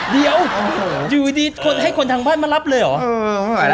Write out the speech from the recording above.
เดี๋ยวอยู่ดีคนให้คนทางบ้านมารับเลยเหรอ